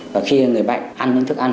và khi người bệnh ăn những thức ăn